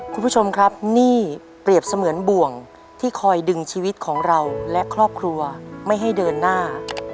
คุณผู้ชมครับหนี้เปรียบเสมือนบ่วงที่คอยดึงชีวิตของเราและครอบครัวไม่ให้เดินหน้า